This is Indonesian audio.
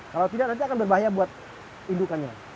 kalau tidak nanti akan berbahaya buat indukannya